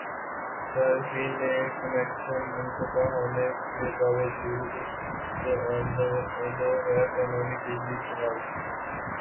صارفین نے کنکشن منقطع ہونے کے باوجودغیرقانونی بجلی استعمال کی